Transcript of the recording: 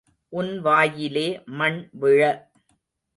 உன் வாயிலே மண் விழ.